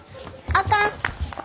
あかん！